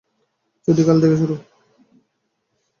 ছুটি কাল থেকে শুরু।